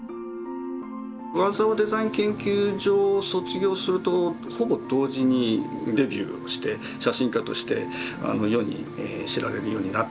桑沢デザイン研究所を卒業するとほぼ同時にデビューをして写真家として世に知られるようになっていった。